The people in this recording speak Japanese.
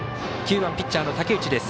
９番ピッチャーの武内。